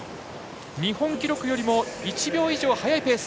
日本記録よりも１秒以上速いペース。